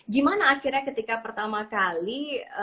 gimana akhirnya ketika pertama kali